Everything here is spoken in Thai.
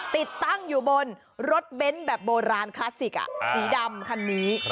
ติดตั้งอยู่บนรถเบ้นแบบโบราณคลาสสิกสีดำคันนี้